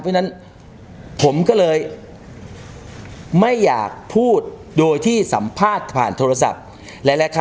เพราะฉะนั้นผมก็เลยไม่อยากพูดโดยที่สัมภาษณ์ผ่านโทรศัพท์